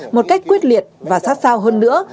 một cách quyết liệt và sát sao hơn nữa